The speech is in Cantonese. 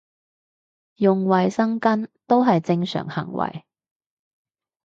用衞生巾都係正常行為